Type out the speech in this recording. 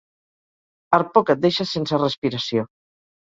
Arpó que et deixa sense respiració.